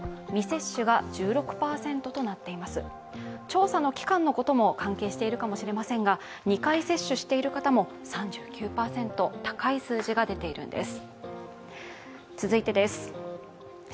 調査の期間のことも関係しているかもしれませんが２回接種している方も３９％、高い数字が出ているんです。